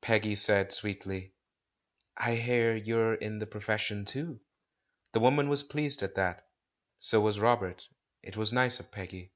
Peggy said sweetly, "I hear you're in the profession too?" The woman was pleased at that. So was Robert — it was nice of Veggy.